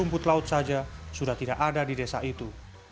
rumput laut saja sudah tidak ada di desa itu